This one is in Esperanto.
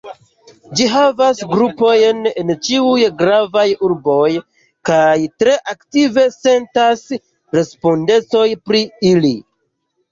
Ĝi havas grupojn en ĉiuj gravaj urboj, kaj tre aktive sentas respondecon pri ili.